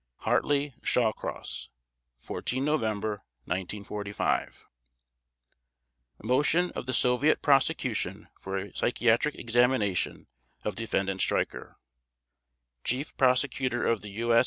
/s/ HARTLEY SHAWCROSS 14 November 1945 MOTION OF THE SOVIET PROSECUTION FOR A PSYCHIATRIC EXAMINATION OF DEFENDANT STREICHER CHIEF PROSECUTOR OF THE U.